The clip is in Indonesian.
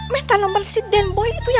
menta nomor si den boy itu